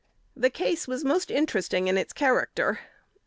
The case was most interesting in its character.